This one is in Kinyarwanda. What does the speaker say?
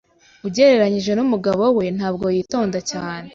Ugereranije n’umugabo we, ntabwo yitonda cyane.